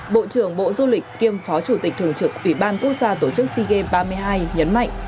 bộ trưởng bộ du lịch kiêm phó chủ tịch thường trực ủy ban quốc gia tổ chức sea games ba mươi hai nhấn mạnh